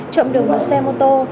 trộm được một xe mô tô